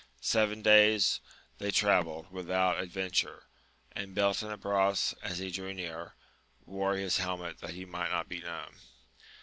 Seven days they travelled without adven ture, and Beltenebros, as he drew nearer, wore his helmet that he might not be known.